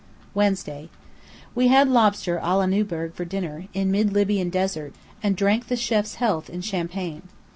Wednesday: We had lobster á la Newburgh for dinner, in mid Libyan desert, and drank the chêf's health in champagne.